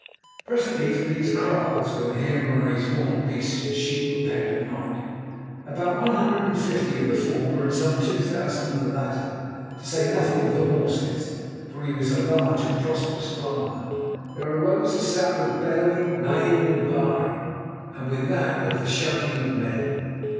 Presently, from these kraals, where the Heer Marais's horned beasts and sheep were penned at night, about one hundred and fifty of the former and some two thousand of the latter, to say nothing of the horses, for he was a large and prosperous farmer, there arose a sound of bellowing, neighing, and baaing, and with it that of the shouting of men.